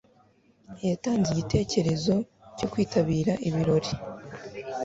Yatanze igitekerezo cyo kwitabira ibirori.